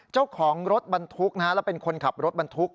เจ้าของรถบรรทุกนะฮะแล้วเป็นคนขับรถบรรทุก